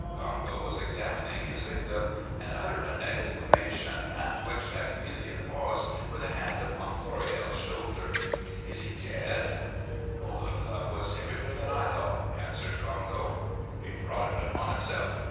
Congo was examining his victim, and uttered an exclamation, at which Maximilien paused, with a hand upon Floréal's shoulder. "Is he dead?" "The club was heavier than I thought," answered Congo. "He brought it upon himself.